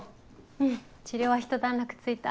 うん治療はひと段落ついた。